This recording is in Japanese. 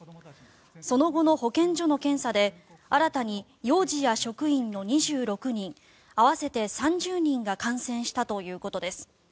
その後の保健所の検査で新たに幼児や職員の２６人合わせて３０人が感染したということです。